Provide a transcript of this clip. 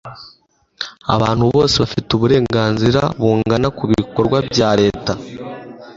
abantu bose bafite uburenganzira bungana ku bikorwa bya leta